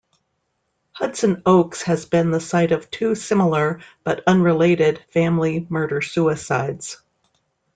Hudson Oaks has been the site of two similar but unrelated family murder-suicides.